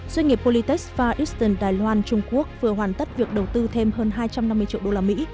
doanh nghiệp politex far eastern đài loan trung quốc vừa hoàn tất việc đầu tư thêm hơn hai trăm năm mươi triệu usd